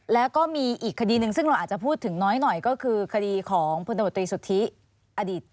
แล้วก็มีอีกคดีหนึ่งซึ่งเราอาจจะพูดถึงน้อยหน่อยก็คือคดีของพลตมตรีสุทธิอดีต